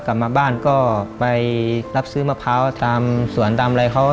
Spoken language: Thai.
กลับมาบ้านก็ไปรับซื้อมะพร้าวตามสวนตามอะไรเขา